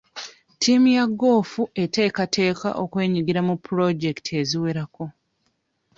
Ttiimu ya goofu eteekateeka okwenyigira mu pulojekiti eziwerako.